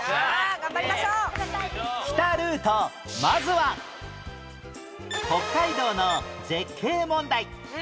まずは北海道の絶景問題